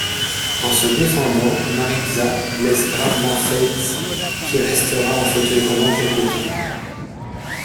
En se défendant Maritza blesse gravement Faith qui restera en fauteuil roulant quelque temps.